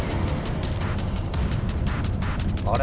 あれ？